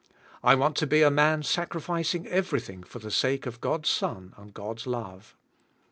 I want to be a man sacrificing everything for the sake of God's Son and God's love.